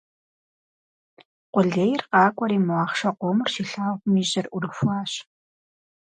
Къулейр къакӀуэри мо ахъшэ къомыр щилъагъум и жьэр Ӏурыхуащ.